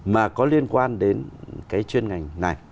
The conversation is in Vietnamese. mà có liên quan đến chuyên ngành này